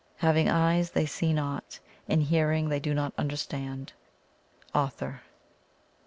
"Having eyes they see not, and hearing they do not understand." AUTHOR.